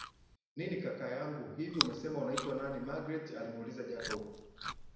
Nini kaka yanguhivi umesema unaitwa nani Magreth alimuuliza Jacob